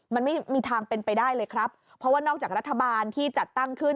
มันไม่มีทางเป็นไปได้เลยครับเพราะว่านอกจากรัฐบาลที่จัดตั้งขึ้น